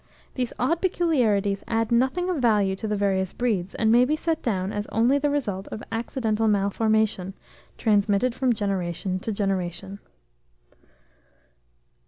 These odd peculiarities add nothing of value to the various breeds, and may be set down as only the result of accidental malformation, transmitted from generation to generation.